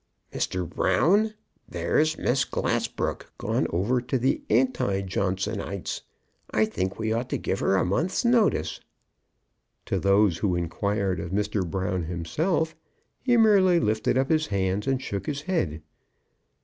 "Mr. Brown, there's Miss Glassbrook gone over to the anti Johnsonites. I think we ought to give her a month's notice." To those who inquired of Mr. Brown himself, he merely lifted up his hands and shook his head.